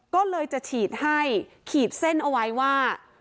ก็เลยจะฉีดให้ขีดเส้นเอาไว้ว่า